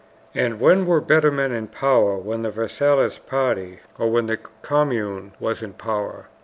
And when were better men in power, when the Versaillist party or when the Commune was in power?